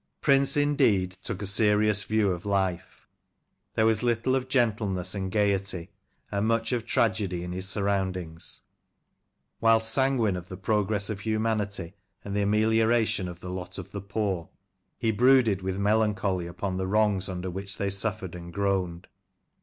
Prince, indeed, took a serious view of life. There was little of gentleness and gaiety, and much of tragedy, in his surroundings. Whilst sanguine of the progress of humanity, and the amelioration of the lot of the poor, he brooded with melancholy upon the wrongs under which they suffered and groaned.